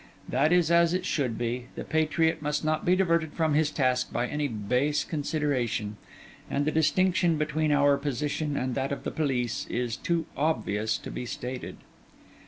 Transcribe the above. That is as it should be; the patriot must not be diverted from his task by any base consideration; and the distinction between our position and that of the police is too obvious to be stated.